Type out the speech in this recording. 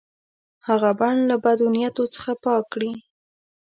هغه بڼ له بد نیتو څخه پاک کړي.